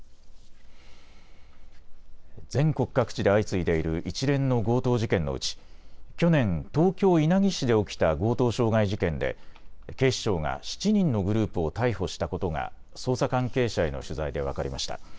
全国各地で相次いでいる一連の強盗事件のうち去年、東京稲城市で起きた強盗傷害事件で警視庁が７人のグループを逮捕したことが捜査関係者への取材で分かりました。